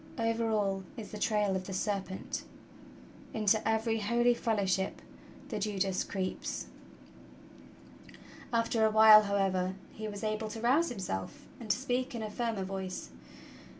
Over all is the trail of the serpent! Into every holy fellowship the Judas creeps!" After a while, however, he was able to rouse himself and to speak in a firmer voice.